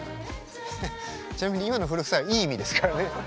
ちなみに今の古臭いはいい意味ですからね。